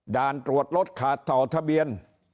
ด่านตรวจรถขาดต่อทะเบียน